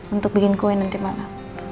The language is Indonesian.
untuk bikin kue nanti malam